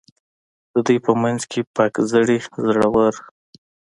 د دوی په منځ کې پاک زړي، زړه ور.